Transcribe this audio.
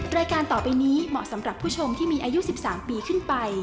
รายการต่อไปนี้เหมาะสำหรับผู้ชมที่มีอายุ๑๓ปีขึ้นไป